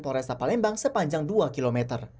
toresa palembang sepanjang dua km